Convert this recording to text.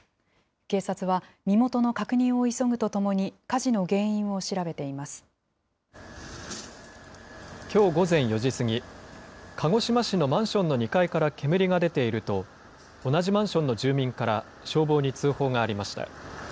警察は、身元の確認を急ぐとともきょう午前４時過ぎ、鹿児島市のマンションの２階から煙が出ていると、同じマンションの住民から消防に通報がありました。